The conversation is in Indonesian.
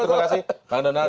terima kasih pak donald